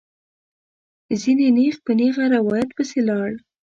ځینې نېغ په نېغه روایت پسې لاړل.